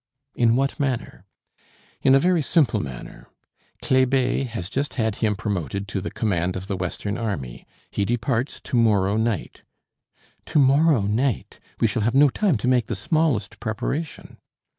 "In what manner?" "In a very simple manner. Kléber has just had him promoted to the command of the western army. He departs to morrow night." "To morrow night! We shall have no time to make the smallest preparation."